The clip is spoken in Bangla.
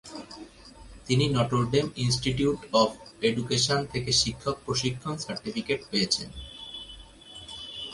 তিনি Notre Dame Institute of Education থেকে শিক্ষক প্রশিক্ষণ সার্টিফিকেট পেয়েছেন।